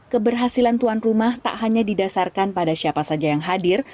keberhasilan tuan rumah tak hanya didasarkan pada siapa saja yang hadir